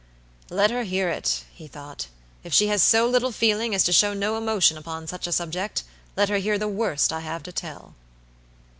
"Let her hear it," he thought. "If she has so little feeling as to show no emotion upon such a subject, let her hear the worst I have to tell."